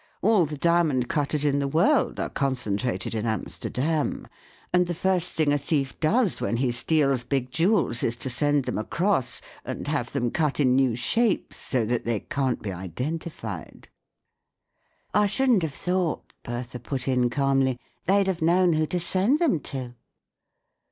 All the diamcnd cutters in the world are concentrated in Amsterdam; and the first thing a thief does when he steals big jewels is to send them across, and have them cut in new shapes so that they can't be identified." " I shouldn't have thought," Bertha put in, calmly, " they'd have known who to send them to."